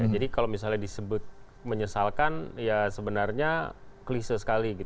jadi kalau misalnya disebut menyesalkan ya sebenarnya klise sekali